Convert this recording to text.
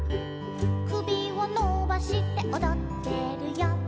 「くびをのばしておどってるよ」